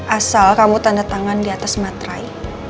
asal kamu tanda tangan di atas matrai